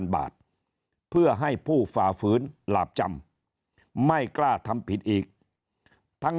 บาทเพื่อให้ผู้ฝ่าฝืนหลาบจำไม่กล้าทำผิดอีกทั้ง